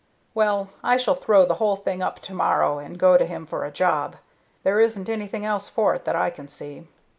Well, I shall throw the whole thing up to morrow and go to him for a job. There isn't anything else for it that I can see.